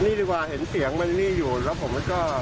นี่ดีกว่าเห็นเสียงมันนี่อยู่แล้วผมก็